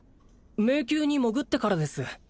迷宮に潜ってからです